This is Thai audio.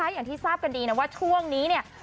อย่างที่ทราบกันดีนะว่าช่วงนี้เนี่ย